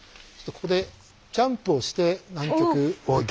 ここでジャンプをして南極へ。